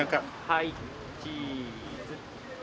はいチーズ。